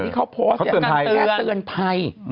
กันชาอยู่ในนี้